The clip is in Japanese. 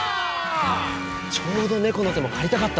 ちょうどネコの手も借りたかったんすよ。